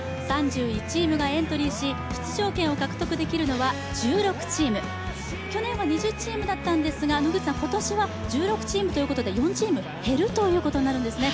３１チームがエントリーし、出場権を獲得できるのは１６チーム、去年は２０チームだったんですが、今年は１６チームということで４チーム減るということになるんですね。